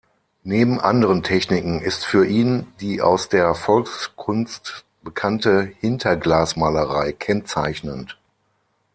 Neben anderen Techniken ist für ihn die aus der Volkskunst bekannte Hinterglasmalerei kennzeichnend.